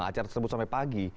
acara tersebut sampai pagi